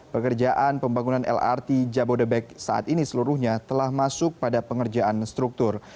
pekerjaan pembangunan lrt jabodebek saat ini seluruhnya telah masuk pada pengerjaan struktur